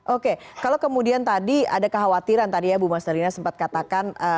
oke kalau kemudian tadi ada kekhawatiran tadi ya bu mas dalina sempat katakan